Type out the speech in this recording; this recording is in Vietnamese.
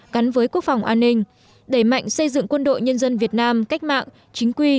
cắn với quốc phòng an ninh đẩy mạnh xây dựng quân đội nhân dân việt nam cách mạng chính quy